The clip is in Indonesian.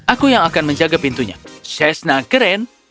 aku yang akan menjaga pintunya shasna keren